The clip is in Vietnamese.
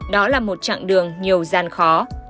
đó là một chặng đường nhiều gian khó